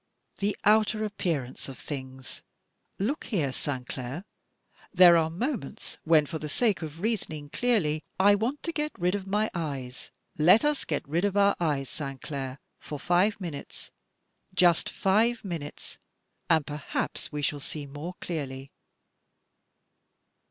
the outer appearance of things! Look here, Sainclair! There are moments when, for the sake of reasoning clearly, I want to get rid of my eyes! Let us get rid of our eyes, Sainclair, for five minutes — ^just five minutes, and, perhaps, we shall see more clearly."